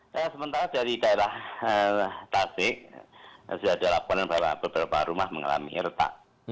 saya sementara dari daerah tasik sudah dilakukan beberapa rumah mengalami erta